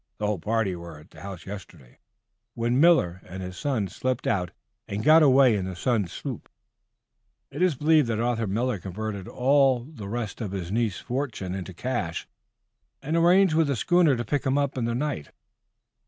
The whole party were at the house yesterday, when Miller and his son slipped out and got away in the son's sloop. It is believed that Arthur Miller converted all the rest of his niece's fortune into cash, and arranged with the schooner to pick him up in the night."